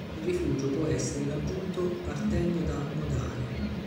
Il rifugio può essere raggiunto partendo da Modane.